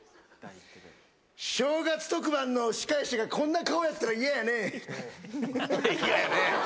正月特番の司会者が、こんな顔や嫌やね。